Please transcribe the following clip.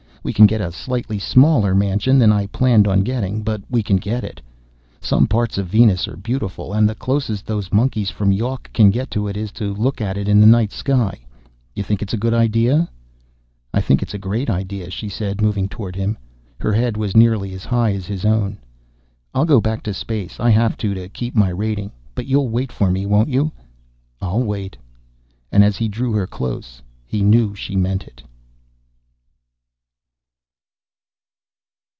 We can get a slightly smaller mansion than I planned on getting. But we can get it. Some parts of Venus are beautiful. And the closest those monkeys from Yawk can get to it is to look at it in the night sky. You think it's a good idea?" "I think it's a great idea," she said, moving toward him. Her head was nearly as high as his own. "I'll go back to space. I have to, to keep my rating. But you'll wait for me, won't you?" "I'll wait." And as he drew her close, he knew she meant it.